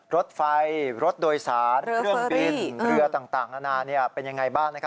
รถไฟรถโดยศาสตร์เยื่องบินเครือต่างณเป็นยังไงบ้าง